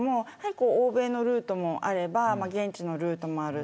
欧米のルートもあれば現地のルートもある。